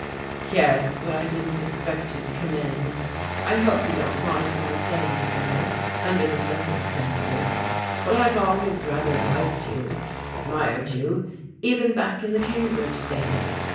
"Yes, but I didn't expect you'd come in. I hope you won't mind my saying so, under the circumstances, but I've always rather liked you, admired you, even back in the Cambridge days.